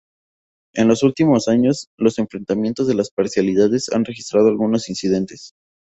En los últimos años, los enfrentamientos de las parcialidades han registrado algunos incidentes.